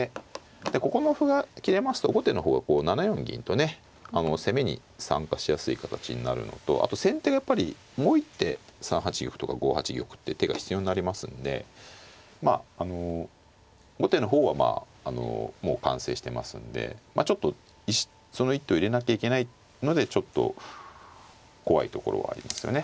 ここの歩が切れますと後手の方がこう７四銀とね攻めに参加しやすい形になるのとあと先手がやっぱりもう一手３八玉とか５八玉って手が必要になりますんでまああの後手の方はもう完成してますんでまあちょっとその一手を入れなきゃいけないのでちょっと怖いところはありますよね。